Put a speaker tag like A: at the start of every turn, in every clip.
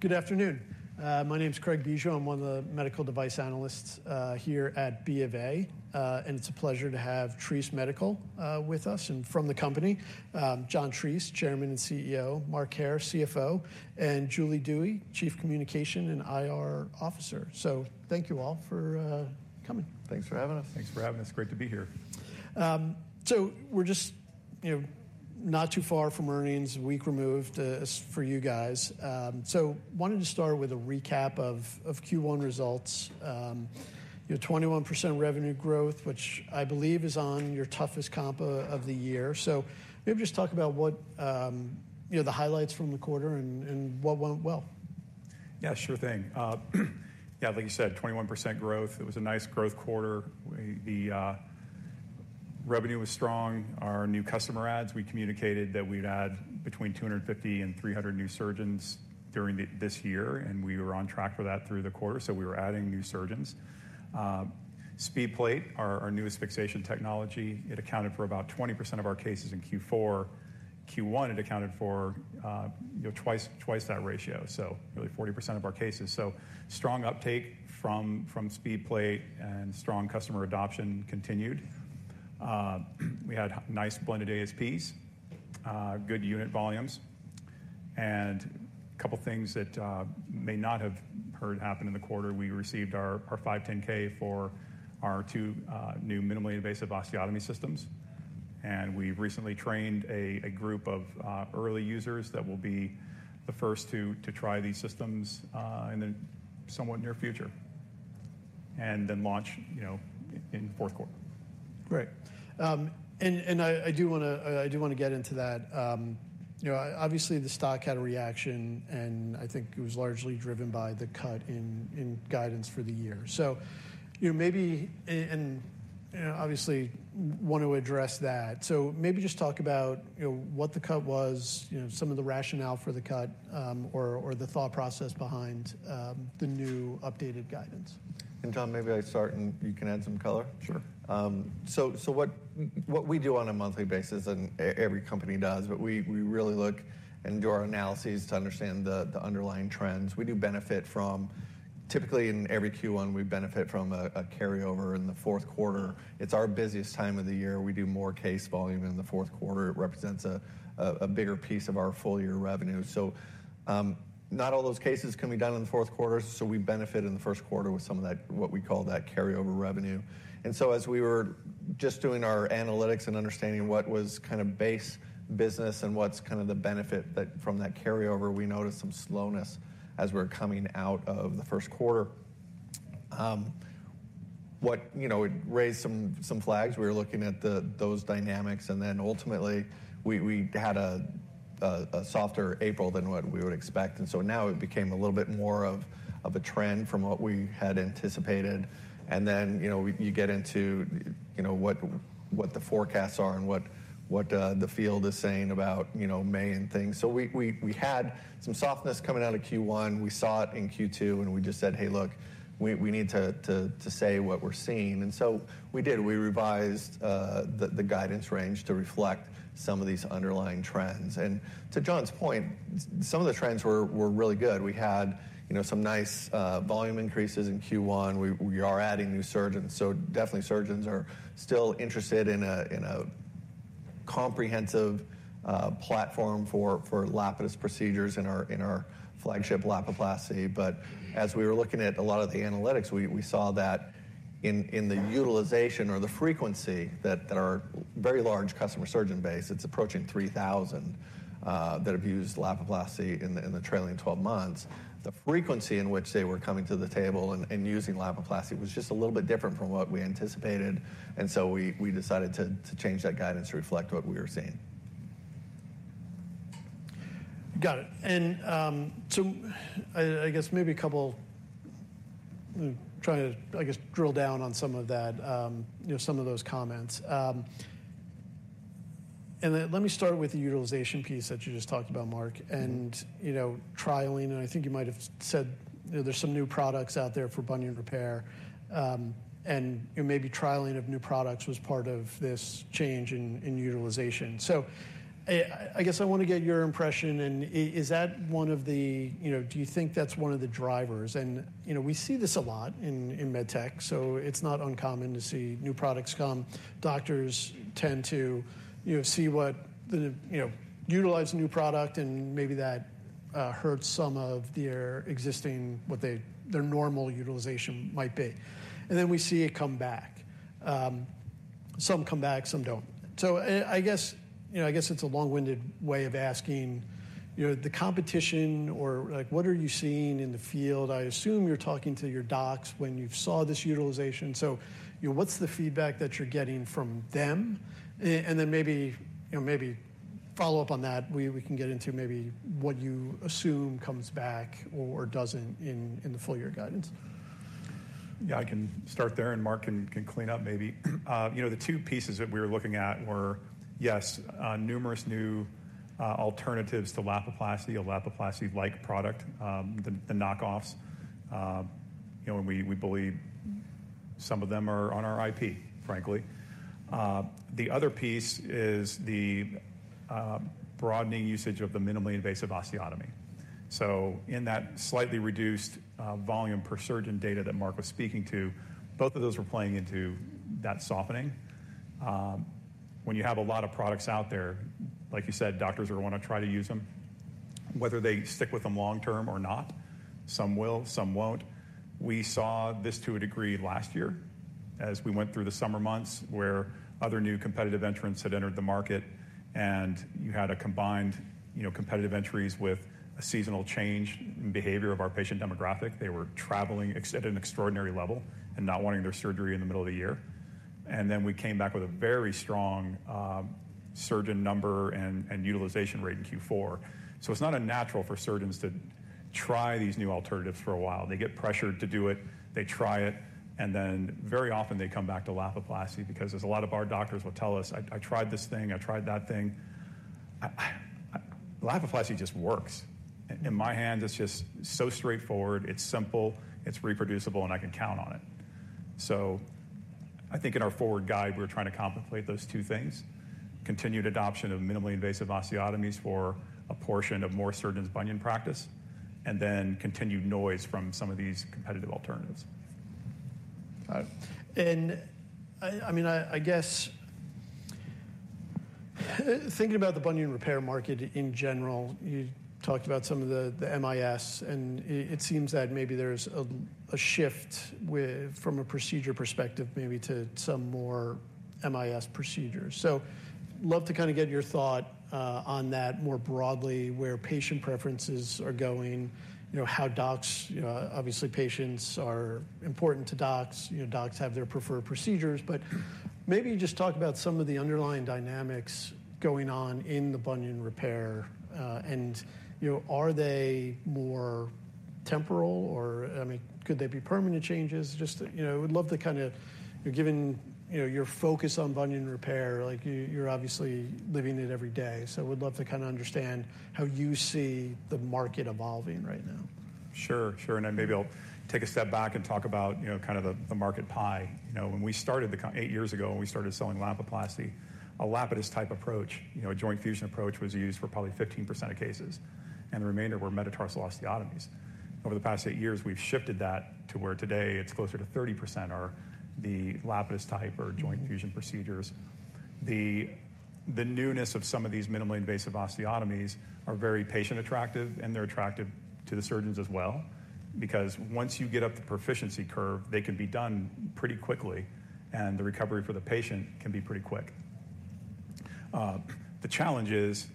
A: Good afternoon. My name's Craig Bijou. I'm one of the medical device analysts here at BofA. And it's a pleasure to have Treace Medical with us. From the company, John Treace, Chairman and CEO, Mark Hair, CFO, and Julie Dewey, Chief Communication and IR Officer. So thank you all for coming.
B: Thanks for having us.
C: Thanks for having us. Great to be here.
A: So we're just, you know, not too far from earnings, a week removed, as for you guys. So wanted to start with a recap of, of Q1 results. You know, 21% revenue growth, which I believe is on your toughest comp of the year. So maybe just talk about what, you know, the highlights from the quarter and, and what went well.
C: Yeah, sure thing. Yeah, like you said, 21% growth. It was a nice growth quarter, where the revenue was strong. Our new customer adds, we communicated that we'd add between 250 and 300 new surgeons during this year, and we were on track for that through the quarter, so we were adding new surgeons. SpeedPlate, our newest fixation technology, it accounted for about 20% of our cases in Q4. Q1, it accounted for, you know, twice that ratio, so really 40% of our cases. So strong uptake from SpeedPlate and strong customer adoption continued. We had nice blended ASPs, good unit volumes. And a couple things that may not have heard happen in the quarter, we received our 510(k) for our two new minimally invasive osteotomy systems. We've recently trained a group of early users that will be the first to try these systems in the somewhat near future, and then launch, you know, in fourth quarter.
A: Great. And I do wanna get into that. You know, obviously, the stock had a reaction, and I think it was largely driven by the cut in guidance for the year. So, you know, maybe. You know, obviously, want to address that. So maybe just talk about, you know, what the cut was, you know, some of the rationale for the cut, or the thought process behind the new updated guidance.
B: John, maybe I start, and you can add some color?
C: Sure.
B: So what we do on a monthly basis, and every company does, but we really look and do our analyses to understand the underlying trends. We do benefit from. Typically, in every Q1, we benefit from a carryover in the fourth quarter. It's our busiest time of the year. We do more case volume in the fourth quarter. It represents a bigger piece of our full-year revenue. So not all those cases can be done in the fourth quarter, so we benefit in the Q1 with some of that, what we call that carryover revenue. And so as we were just doing our analytics and understanding what was kind of base business and what's kind of the benefit from that carryover, we noticed some slowness as we're coming out of the Q1. You know, it raised some flags. We were looking at those dynamics, and then ultimately, we had a softer April than what we would expect. And so now it became a little bit more of a trend from what we had anticipated. And then, you know, you get into, you know, what the forecasts are and what the field is saying about, you know, May and things. So we had some softness coming out of Q1. We saw it in Q2, and we just said: "Hey, look, we need to say what we're seeing." And so we did. We revised the guidance range to reflect some of these underlying trends. And to John's point, some of the trends were really good. We had, you know, some nice volume increases in Q1. We are adding new surgeons, so definitely surgeons are still interested in a comprehensive platform for Lapidus procedures in our flagship Lapiplasty. But as we were looking at a lot of the analytics, we saw that in the utilization or the frequency that our very large customer surgeon base, it's approaching 3,000 that have used Lapiplasty in the trailing twelve months. The frequency in which they were coming to the table and using Lapiplasty was just a little bit different from what we anticipated, and so we decided to change that guidance to reflect what we were seeing.
A: Got it. And, so I guess trying to, I guess, drill down on some of that, you know, some of those comments. And then let me start with the utilization piece that you just talked about, Mark, and, you know, trialing, and I think you might have said, you know, there's some new products out there for bunion repair. And, you know, maybe trialing of new products was part of this change in utilization. So I guess I wanna get your impression, and is that one of the... You know, do you think that's one of the drivers? And, you know, we see this a lot in med tech, so it's not uncommon to see new products come. Doctors tend to, you know, see what they, you know, utilize a new product, and maybe that hurts some of their existing, what they, their normal utilization might be. And then we see it come back. Some come back, some don't. So I guess, you know, I guess it's a long-winded way of asking, you know, the competition or, like, what are you seeing in the field? I assume you're talking to your docs when you saw this utilization. So, you know, what's the feedback that you're getting from them? And then maybe, you know, maybe follow up on that. We can get into maybe what you assume comes back or doesn't in the full year guidance.
C: Yeah, I can start there, and Mark can clean up maybe. You know, the two pieces that we were looking at were, yes, numerous new alternatives to Lapiplasty, a Lapiplasty-like product, the knockoffs. You know, we believe. Some of them are on our IP, frankly. The other piece is the broadening usage of the minimally invasive osteotomy. So in that slightly reduced volume per surgeon data that Mark was speaking to, both of those are playing into that softening. When you have a lot of products out there, like you said, doctors are gonna try to use them. Whether they stick with them long term or not, some will, some won't. We saw this to a degree last year as we went through the summer months, where other new competitive entrants had entered the market, and you had a combined, you know, competitive entries with a seasonal change in behavior of our patient demographic. They were traveling at an extraordinary level and not wanting their surgery in the middle of the year. And then we came back with a very strong surgeon number and utilization rate in Q4. So it's not unnatural for surgeons to try these new alternatives for a while. They get pressured to do it, they try it, and then very often they come back to Lapiplasty because as a lot of our doctors will tell us, "I tried this thing. I tried that thing. Lapiplasty just works. In my hand, it's just so straightforward, it's simple, it's reproducible, and I can count on it." So I think in our forward guide, we're trying to contemplate those two things: continued adoption of minimally invasive osteotomies for a portion of more surgeons' bunion practice, and then continued noise from some of these competitive alternatives.
A: Got it. And I mean, I guess, thinking about the bunion repair market in general, you talked about some of the MIS, and it seems that maybe there's a shift from a procedure perspective, maybe to some more MIS procedures. So love to kind of get your thought on that more broadly, where patient preferences are going, you know, how docs obviously, patients are important to docs. You know, docs have their preferred procedures. But maybe just talk about some of the underlying dynamics going on in the bunion repair. And, you know, are they more temporal or, I mean, could they be permanent changes? Just, you know, would love to kinda... Given, you know, your focus on bunion repair, like, you're obviously living it every day. Would love to kinda understand how you see the market evolving right now.
C: Sure, sure, and then maybe I'll take a step back and talk about, you know, kind of the market pie. You know, when we started 8 years ago, when we started selling Lapiplasty, a Lapidus-type approach, you know, a joint fusion approach, was used for probably 15% of cases, and the remainder were metatarsal osteotomies. Over the past 8 years, we've shifted that to where today it's closer to 30% are the Lapidus-type or joint fusion procedures. The newness of some of these minimally invasive osteotomies are very patient attractive, and they're attractive to the surgeons as well. Because once you get up the proficiency curve, they can be done pretty quickly, and the recovery for the patient can be pretty quick. The challenge is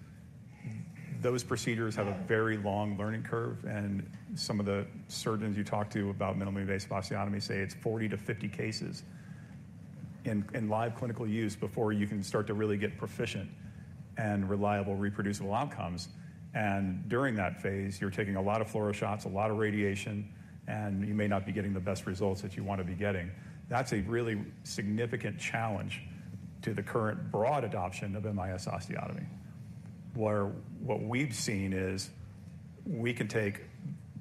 C: those procedures have a very long learning curve, and some of the surgeons you talk to about minimally invasive osteotomy say it's 40-50 cases in live clinical use before you can start to really get proficient and reliable, reproducible outcomes. During that phase, you're taking a lot of fluoro shots, a lot of radiation, and you may not be getting the best results that you want to be getting. That's a really significant challenge to the current broad adoption of MIS osteotomy, where what we've seen is, we can take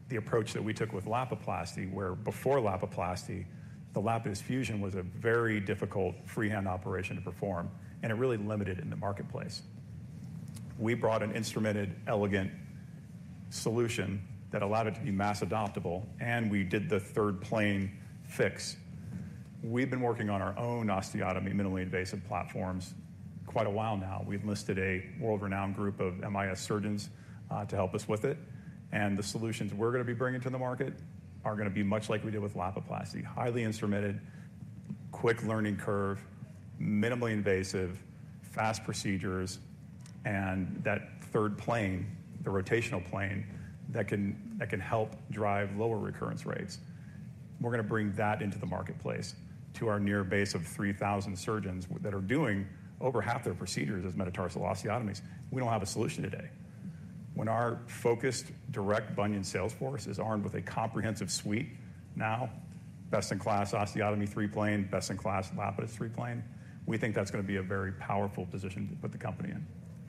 C: the approach that we took with Lapiplasty, where before Lapiplasty, the Lapidus fusion was a very difficult freehand operation to perform, and it really limited it in the marketplace. We brought an instrumented, elegant solution that allowed it to be mass adoptable, and we did the third plane fix. We've been working on our own osteotomy, minimally invasive platforms, quite a while now. We've listed a world-renowned group of MIS surgeons to help us with it, and the solutions we're gonna be bringing to the market are gonna be much like we did with Lapiplasty: highly instrumented, quick learning curve, minimally invasive, fast procedures, and that third plane, the rotational plane, that can help drive lower recurrence rates. We're gonna bring that into the marketplace to our installed base of 3,000 surgeons that are doing over half their procedures as metatarsal osteotomies. We don't have a solution today. When our focused, direct bunion sales force is armed with a comprehensive suite, now best-in-class osteotomy, three plane, best-in-class Lapidus, three plane, we think that's gonna be a very powerful position to put the company in.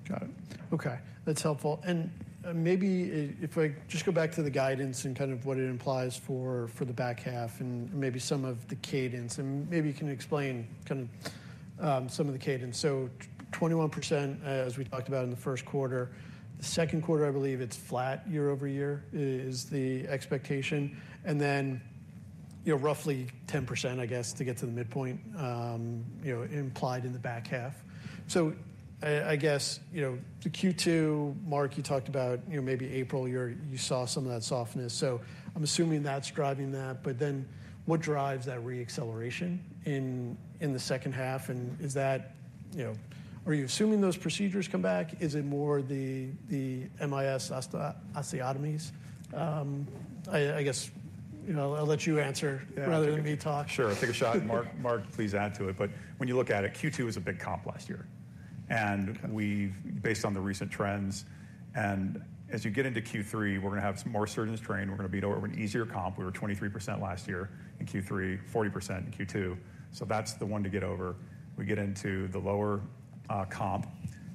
A: Got it. Okay, that's helpful. And, maybe if I just go back to the guidance and kind of what it implies for, for the back half and maybe some of the cadence, and maybe you can explain kind of, some of the cadence. So 21%, as we talked about in the Q1. The Q2, I believe it's flat quarter-over-quarter, is the expectation. And then, you know, roughly 10%, I guess, to get to the midpoint, you know, implied in the back half. So I guess, you know, the Q2, Mark, you talked about, you know, maybe April, you saw some of that softness, so I'm assuming that's driving that. But then, what drives that re-acceleration in the second half? And is that... You know, are you assuming those procedures come back? Is it more the MIS osteotomies? I guess, you know, I'll let you answer-
C: Yeah.
A: rather than me talk.
C: Sure. I'll take a shot. Mark, Mark, please add to it. But when you look at it, Q2 was a big comp last year, and we've based on the recent trends, and as you get into Q3, we're gonna have some more surgeons trained. We're gonna be over an easier comp. We were 23% last year in Q3, 40% in Q2, so that's the one to get over. We get into the lower comp,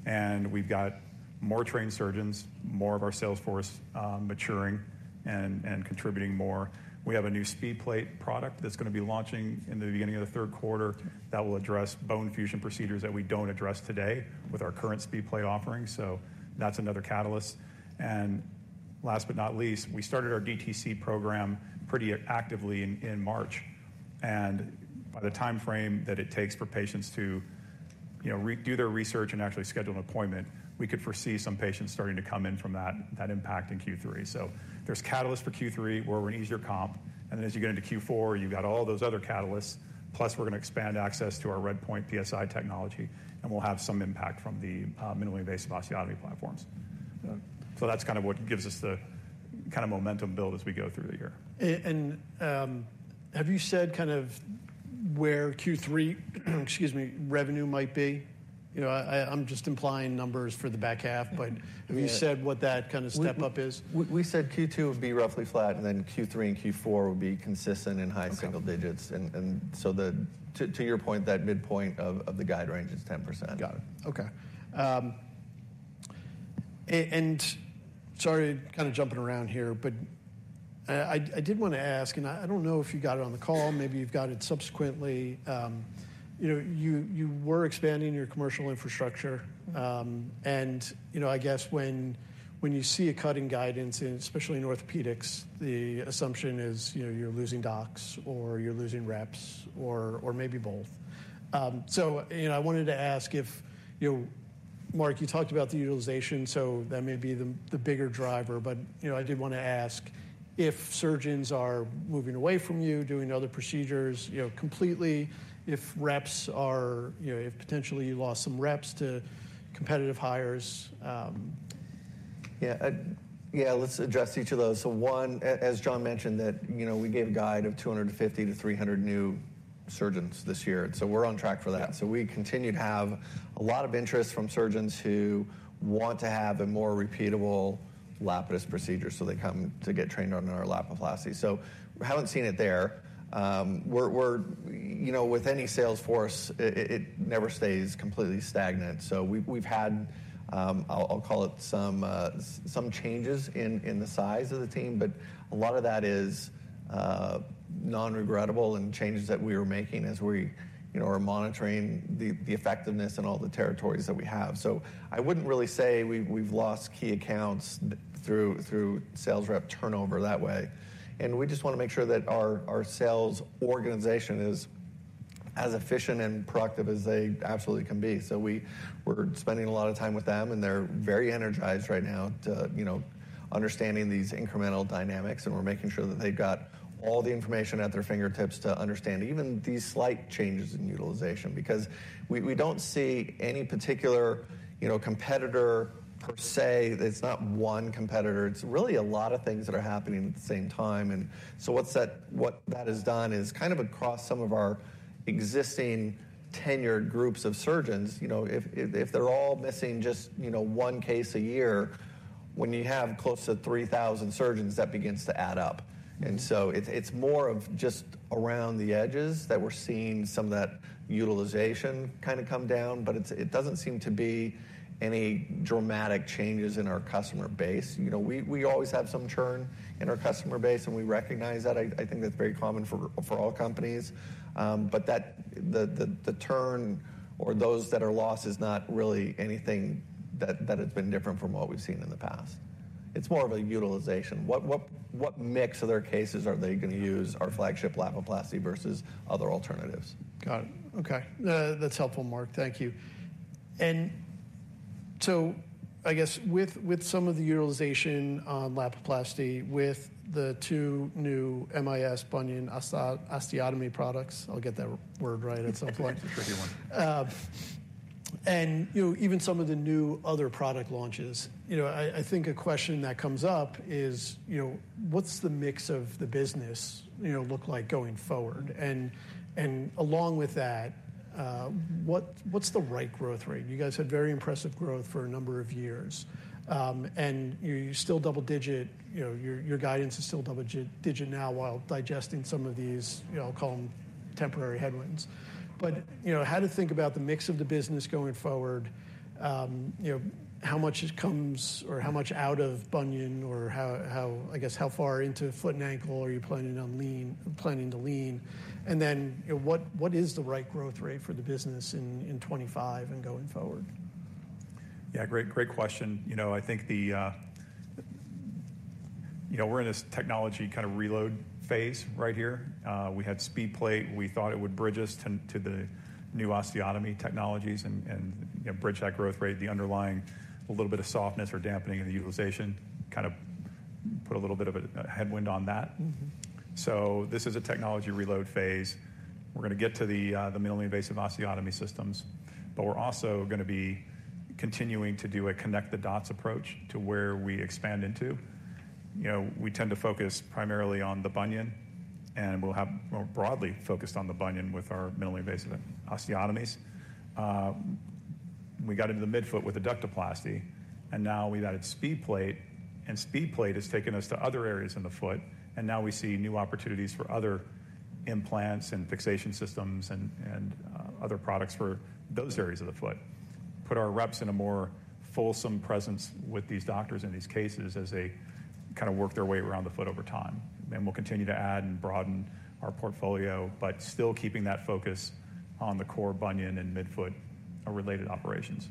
C: and we've got more trained surgeons, more of our sales force maturing and contributing more. We have a new SpeedPlate product that's gonna be launching in the beginning of the Q3 that will address bone fusion procedures that we don't address today with our current SpeedPlate offerings. So that's another catalyst. And last but not least, we started our DTC program pretty actively in March. By the time frame that it takes for patients to, you know, do their research and actually schedule an appointment, we could foresee some patients starting to come in from that, that impact in Q3. So there's catalyst for Q3, where we're an easier comp, and then as you get into Q4, you've got all those other catalysts, plus we're going to expand access to our RedPoint PSI technology, and we'll have some impact from the minimally invasive osteotomy platforms. So that's kind of what gives us the kind of momentum build as we go through the year.
A: Have you said kind of where Q3, excuse me, revenue might be? You know, I'm just implying numbers for the back half, but-
B: Yeah.
A: Have you said what that kind of step-up is?
B: We said Q2 would be roughly flat, and then Q3 and Q4 would be consistent in high single digits.
A: Okay.
B: And so, to your point, that midpoint of the guide range is 10%.
A: Got it. Okay. Sorry, kind of jumping around here, but I did want to ask, and I don't know if you got it on the call, maybe you've got it subsequently. You know, you were expanding your commercial infrastructure, and, you know, I guess when you see a cut in guidance, and especially in orthopedics, the assumption is, you know, you're losing docs or you're losing reps or maybe both. So, you know, I wanted to ask if... You know, Mark, you talked about the utilization, so that may be the bigger driver. But, you know, I did want to ask if surgeons are moving away from you, doing other procedures, you know, completely, if reps are you know, if potentially you lost some reps to competitive hires.
B: Yeah. Yeah, let's address each of those. So one, as John mentioned, that, you know, we gave a guide of 250-300 new surgeons this year, so we're on track for that.
A: Yeah.
B: So we continue to have a lot of interest from surgeons who want to have a more repeatable Lapidus procedure, so they come to get trained on our Lapiplasty. So we haven't seen it there. You know, with any sales force, it never stays completely stagnant. So we've had, I'll call it some changes in the size of the team, but a lot of that is non-regrettable and changes that we were making as we, you know, are monitoring the effectiveness in all the territories that we have. So I wouldn't really say we've lost key accounts through sales rep turnover that way. And we just want to make sure that our sales organization is as efficient and productive as they absolutely can be. So we're spending a lot of time with them, and they're very energized right now to, you know, understanding these incremental dynamics, and we're making sure that they've got all the information at their fingertips to understand even these slight changes in utilization. Because we don't see any particular, you know, competitor per se. It's not one competitor. It's really a lot of things that are happening at the same time. And so what's that - what that has done is kind of across some of our existing tenured groups of surgeons, you know, if they're all missing just, you know, one case a year, when you have close to 3,000 surgeons, that begins to add up.
A: Mm-hmm.
B: It's more of just around the edges that we're seeing some of that utilization kind of come down, but it doesn't seem to be any dramatic changes in our customer base. You know, we always have some churn in our customer base, and we recognize that. I think that's very common for all companies. But the churn or those that are lost is not really anything that has been different from what we've seen in the past. It's more of a utilization. What mix of their cases are they going to use our flagship Lapiplasty versus other alternatives?
A: Got it. Okay. That's helpful, Mark. Thank you. And so I guess with some of the utilization on Lapiplasty, with the two new MIS bunion osteotomy products... I'll get that word right at some point.
B: It's a tricky one.
A: And, you know, even some of the new other product launches, you know, I think a question that comes up is, you know, what's the mix of the business, you know, look like going forward? And along with that, what's the right growth rate? You guys had very impressive growth for a number of years, and you're still double digit. You know, your guidance is still double digit now, while digesting some of these, you know, I'll call them temporary headwinds. But, you know, how to think about the mix of the business going forward, you know, how much it comes or how much out of bunion or how, I guess, how far into foot and ankle are you planning to lean? You know, what, what is the right growth rate for the business in 2025 and going forward?
C: Yeah, great, great question. You know, I think the, you know, we're in this technology kind of reload phase right here. We had SpeedPlate. We thought it would bridge us to, to the new osteotomy technologies and, and, you know, bridge that growth rate, the underlying a little bit of softness or dampening of the utilization, kind of put a little bit of a, a headwind on that.
A: Mm-hmm.
C: So this is a technology reload phase. We're going to get to the minimally invasive osteotomy systems, but we're also going to be continuing to do a connect-the-dots approach to where we expand into. You know, we tend to focus primarily on the bunion, and we'll have more broadly focused on the bunion with our minimally invasive osteotomies. We got into the midfoot with the Adductoplasty, and now we've added SpeedPlate, and SpeedPlate has taken us to other areas in the foot, and now we see new opportunities for other implants and fixation systems and other products for those areas of the foot. Put our reps in a more fulsome presence with these doctors in these cases as they kind of work their way around the foot over time. We'll continue to add and broaden our portfolio, but still keeping that focus on the core bunion and midfoot....
A: our related operations.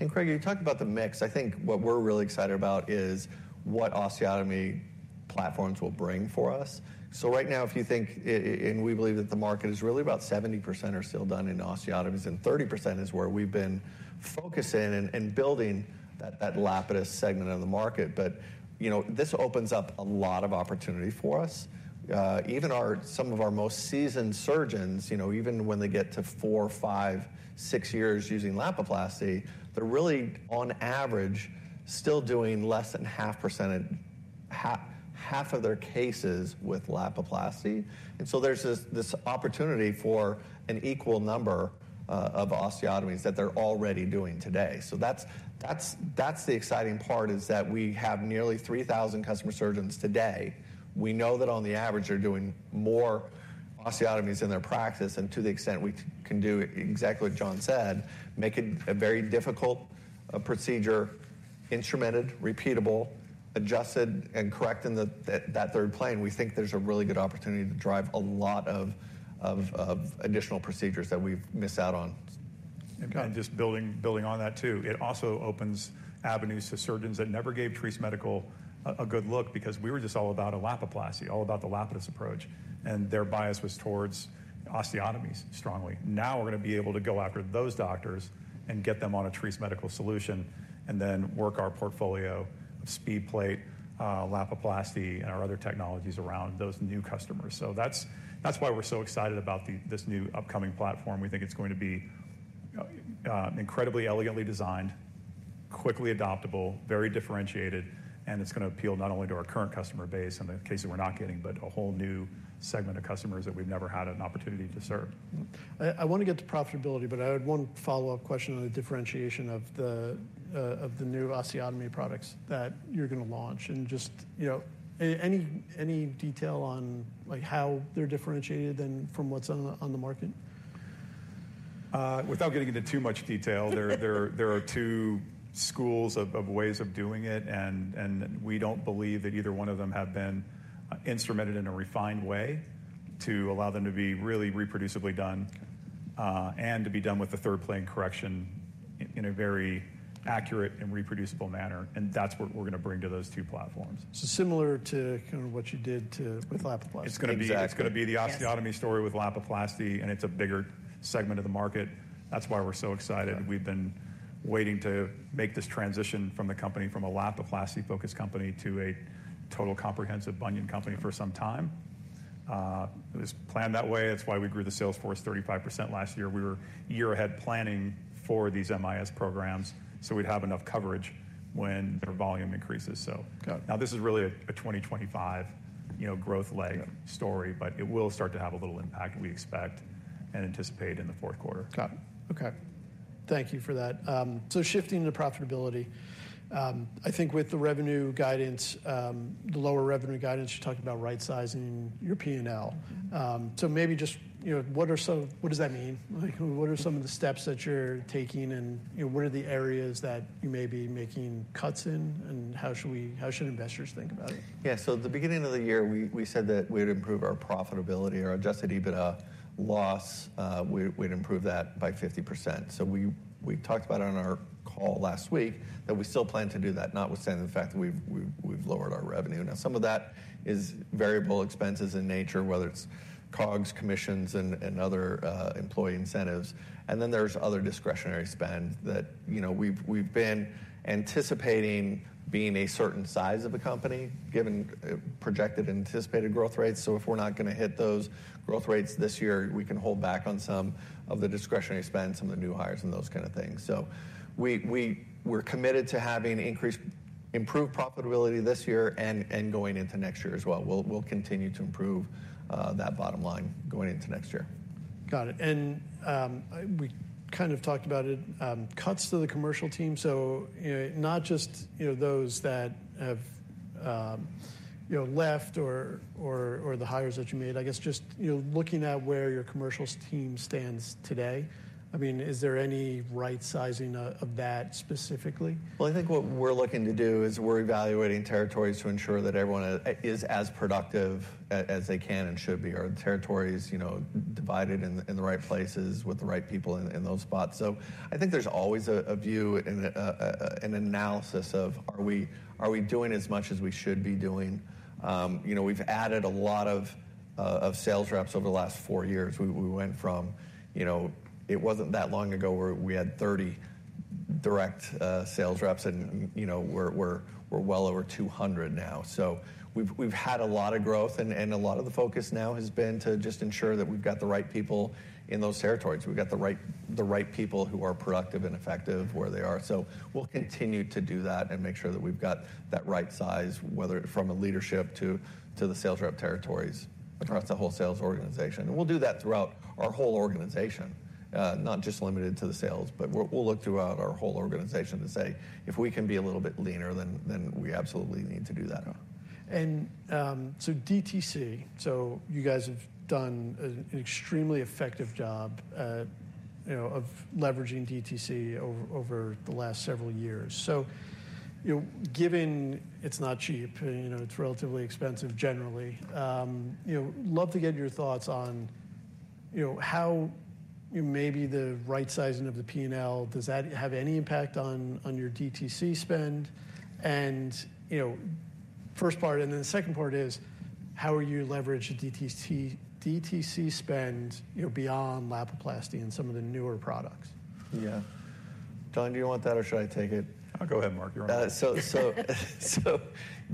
B: And Craig, you talked about the mix. I think what we're really excited about is what osteotomy platforms will bring for us. So right now, if you think, and we believe that the market is really about 70% are still done in osteotomies, and 30% is where we've been focusing and building that Lapidus segment of the market. But, you know, this opens up a lot of opportunity for us. Even our—some of our most seasoned surgeons, you know, even when they get to 4, 5, 6 years using Lapiplasty, they're really, on average, still doing less than half percent of half, half of their cases with Lapiplasty. And so there's this opportunity for an equal number of osteotomies that they're already doing today. So that's the exciting part, is that we have nearly 3,000 customer surgeons today. We know that on the average, they're doing more osteotomies in their practice, and to the extent we can do exactly what John said, make it a very difficult procedure, instrumented, repeatable, adjusted, and correct in the third plane, we think there's a really good opportunity to drive a lot of additional procedures that we've missed out on.
A: Okay.
C: And just building, building on that, too, it also opens avenues to surgeons that never gave Treace Medical a good look because we were just all about a Lapiplasty, all about the Lapidus approach, and their bias was towards osteotomies strongly. Now, we're going to be able to go after those doctors and get them on a Treace Medical solution, and then work our portfolio of SpeedPlate, Lapiplasty, and our other technologies around those new customers. So that's, that's why we're so excited about this new upcoming platform. We think it's going to be incredibly elegantly designed, quickly adoptable, very differentiated, and it's going to appeal not only to our current customer base, in the cases we're not getting, but a whole new segment of customers that we've never had an opportunity to serve.
A: I want to get to profitability, but I had one follow-up question on the differentiation of the new osteotomy products that you're going to launch. And just, you know, any detail on, like, how they're differentiated than from what's on the market?
C: Without getting into too much detail, there are two schools of ways of doing it, and we don't believe that either one of them have been instrumented in a refined way to allow them to be really reproducibly done, and to be done with the third plane correction in a very accurate and reproducible manner, and that's what we're going to bring to those two platforms.
A: Similar to kind of what you did to, with Lapiplasty?
C: Exactly.
B: Yeah.
C: It's going to be the osteotomy story with Lapiplasty, and it's a bigger segment of the market. That's why we're so excited. We've been waiting to make this transition from the company, from a Lapiplasty-focused company to a total comprehensive bunion company for some time. It was planned that way. It's why we grew the sales force 35% last year. We were a year ahead planning for these MIS programs, so we'd have enough coverage when their volume increases, so.
A: Got it.
C: Now, this is really a 2025, you know, growth leg-
A: Got it...
C: story, but it will start to have a little impact, we expect and anticipate, in the fourth quarter.
A: Got it. Okay. Thank you for that. So shifting to profitability, I think with the revenue guidance, the lower revenue guidance, you talked about right-sizing your PNL.
B: Mm-hmm.
A: So maybe just, you know, what does that mean? Like, what are some of the steps that you're taking, and, you know, what are the areas that you may be making cuts in, and how should investors think about it?
B: Yeah. So at the beginning of the year, we said that we'd improve our profitability or adjusted EBITDA loss. We'd improve that by 50%. So we talked about it on our call last week, that we still plan to do that, notwithstanding the fact that we've lowered our revenue. Now, some of that is variable expenses in nature, whether it's COGS, commissions, and other employee incentives, and then there's other discretionary spend that, you know, we've been anticipating being a certain size of a company, given projected anticipated growth rates. So if we're not going to hit those growth rates this year, we can hold back on some of the discretionary spend, some of the new hires, and those kind of things. So we're committed to having increased, improved profitability this year and going into next year as well. We'll continue to improve that bottom line going into next year.
A: Got it. And, we kind of talked about it, cuts to the commercial team. So, you know, not just, you know, those that have, you know, left or the hires that you made. I guess just, you know, looking at where your commercial team stands today, I mean, is there any right sizing of that specifically?
B: Well, I think what we're looking to do is we're evaluating territories to ensure that everyone is as productive as they can and should be. Are the territories, you know, divided in the right places with the right people in those spots? So I think there's always a view and an analysis of: Are we doing as much as we should be doing? You know, we've added a lot of sales reps over the last 4 years. We went from, you know... It wasn't that long ago where we had 30 direct sales reps and, you know, we're well over 200 now. So we've had a lot of growth, and a lot of the focus now has been to just ensure that we've got the right people in those territories. We've got the right, the right people who are productive and effective where they are. So we'll continue to do that and make sure that we've got that right size, whether from a leadership to the sales rep territories across the whole sales organization. And we'll do that throughout our whole organization, not just limited to the sales, but we'll, we'll look throughout our whole organization and say, "If we can be a little bit leaner, then we absolutely need to do that.
A: And, so DTC, so you guys have done an extremely effective job, you know, of leveraging DTC over the last several years. So, you know, given it's not cheap, you know, it's relatively expensive generally, you know, love to get your thoughts on how, you know, maybe the right sizing of the P&L, does that have any impact on your DTC spend? And, you know, first part, and then the second part is: how are you leveraging DTC, DTC spend, you know, beyond Lapiplasty and some of the newer products?
B: Yeah. Don, do you want that or should I take it?
C: Oh, go ahead, Mark. You're on.
B: So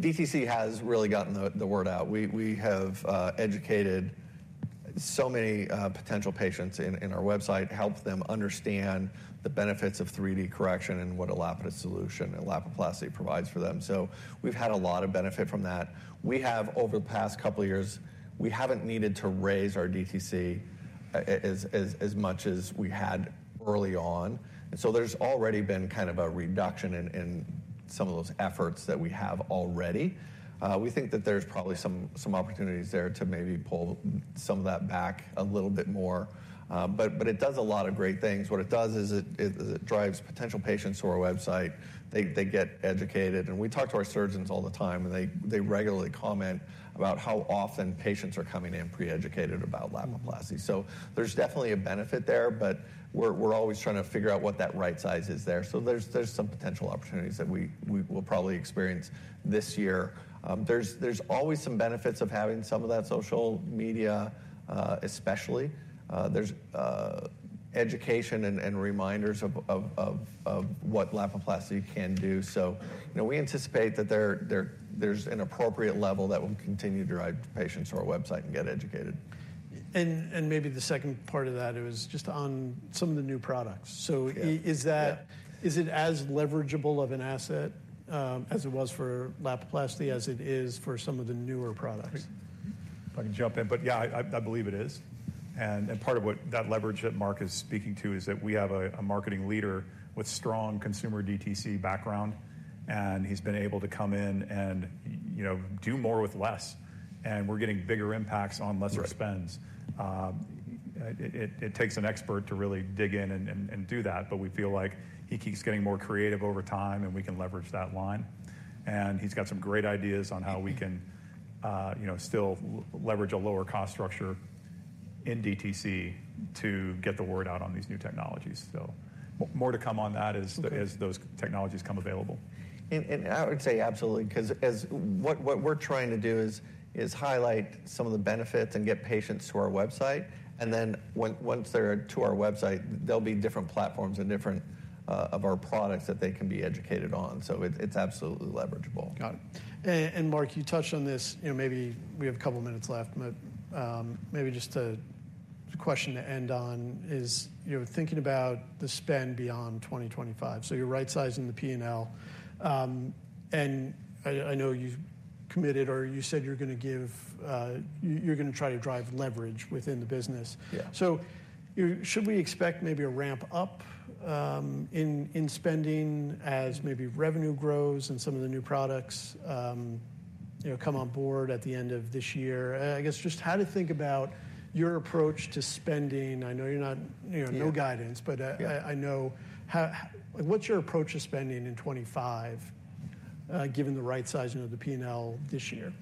B: DTC has really gotten the word out. We have educated so many potential patients on our website, helped them understand the benefits of 3D correction and what a Lapidus solution and Lapiplasty provides for them. So we've had a lot of benefit from that. We have, over the past couple of years, we haven't needed to raise our DTC as much as we had early on, and so there's already been kind of a reduction in some of those efforts that we have already. We think that there's probably some opportunities there to maybe pull some of that back a little bit more, but it does a lot of great things. What it does is it drives potential patients to our website. They get educated, and we talk to our surgeons all the time, and they regularly comment about how often patients are coming in pre-educated about Lapiplasty. So there's definitely a benefit there, but we're always trying to figure out what that right size is there. So there's some potential opportunities that we will probably experience this year. There's always some benefits of having some of that social media, especially there's education and reminders of what Lapiplasty can do. So, you know, we anticipate that there's an appropriate level that will continue to drive patients to our website and get educated.
A: And maybe the second part of that, it was just on some of the new products.
B: Yeah.
A: So, is that?
B: Yeah...
A: is it as leverageable of an asset, as it was for Lapiplasty, as it is for some of the newer products?
C: If I can jump in, but yeah, I believe it is. And part of what that leverage that Mark is speaking to is that we have a marketing leader with strong consumer DTC background, and he's been able to come in and, you know, do more with less, and we're getting bigger impacts on lesser spends.
B: Right.
C: It takes an expert to really dig in and do that, but we feel like he keeps getting more creative over time, and we can leverage that line. And he's got some great ideas on how we can, you know, still leverage a lower cost structure in DTC to get the word out on these new technologies. So more to come on that as those technologies come available.
B: I would say absolutely, 'cause what we're trying to do is highlight some of the benefits and get patients to our website, and then once they're to our website, there'll be different platforms and different of our products that they can be educated on, so it's absolutely leverageable.
A: Got it. And Mark, you touched on this, you know, maybe we have a couple of minutes left, but maybe just a question to end on is, you know, thinking about the spend beyond 2025, so you're right sizing the P&L. And I know you've committed or you said you're gonna give, you're gonna try to drive leverage within the business.
B: Yeah.
A: So, should we expect maybe a ramp up in spending as maybe revenue grows and some of the new products, you know, come on board at the end of this year? I guess just how to think about your approach to spending. I know you're not... You know,
B: Yeah...
A: no guidance, but,
B: Yeah...
A: I know, how, what's your approach to spending in 25, given the right sizing of the P&L this year?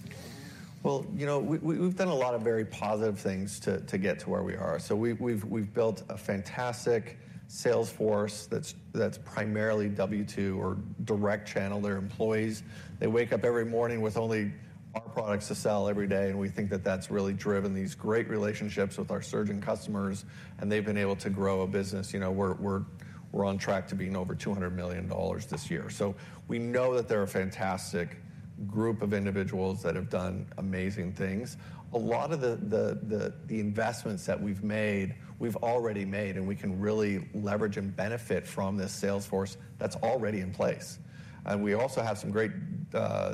B: Well, you know, we've done a lot of very positive things to get to where we are. So we've built a fantastic sales force that's primarily W-2 or direct channel, their employees. They wake up every morning with only our products to sell every day, and we think that that's really driven these great relationships with our surgeon customers, and they've been able to grow a business. You know, we're on track to being over $200 million this year. So we know that they're a fantastic group of individuals that have done amazing things. A lot of the investments that we've made, we've already made, and we can really leverage and benefit from this sales force that's already in place. And we also have some great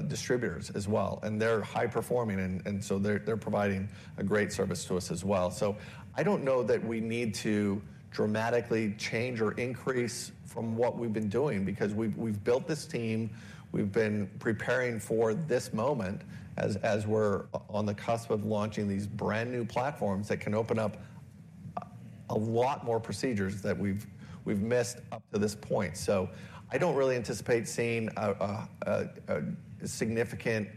B: distributors as well, and they're high-performing, and so they're providing a great service to us as well. So I don't know that we need to dramatically change or increase from what we've been doing because we've built this team, we've been preparing for this moment as we're on the cusp of launching these brand-new platforms that can open up a lot more procedures that we've missed up to this point. So I don't really anticipate seeing a significant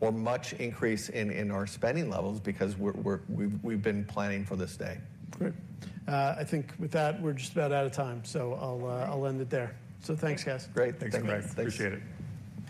B: or much increase in our spending levels because we've been planning for this day.
A: Great. I think with that, we're just about out of time, so I'll, I'll end it there. So thanks, guys.
B: Great.
C: Thanks, Mark.
B: Thanks.
C: Appreciate it.